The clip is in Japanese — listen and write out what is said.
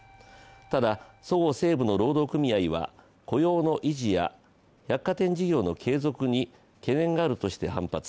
ただそごう・西武の労働組合は雇用の維持や百貨店事業の継続に懸念があるとして反発。